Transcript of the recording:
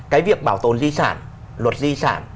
cái việc bảo tồn di sản luật di sản